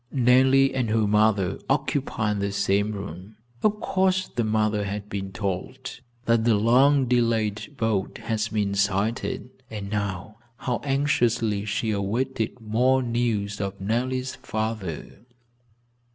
Nellie and her mother occupied the same room. Of course the mother had been told that the long delayed boat had been sighted, and now, how anxiously she awaited more news of Nellie's father.